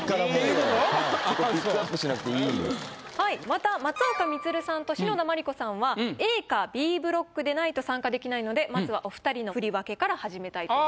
また松岡充さんと篠田麻里子さんはＡかＢブロックでないと参加できないのでまずはお２人の振り分けから始めたいと思います。